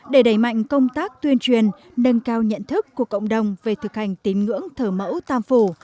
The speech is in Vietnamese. để đẩy mạnh công tác tuyên truyền nâng cao nhận thức của cộng đồng về thực hành tín ngưỡng thờ mẫu tam phủ